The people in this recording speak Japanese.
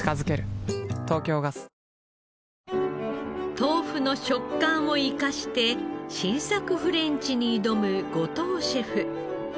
豆腐の食感を生かして新作フレンチに挑む後藤シェフ。